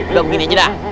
udah begini aja dah